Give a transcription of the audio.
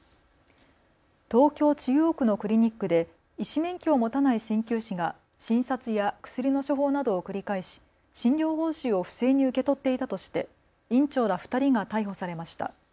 東京中央区のクリニックで医師免許を持たないしんきゅう師が診察や薬の処方などを繰り返し診療報酬を不正に受け取っていたとして院長ら２人が逮捕されました。